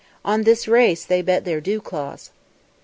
On this race they bet their dew claws.